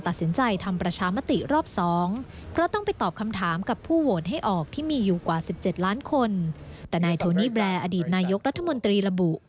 แต่ในโทนีแบร์อดีตนายกรัฐมนตรีระบุ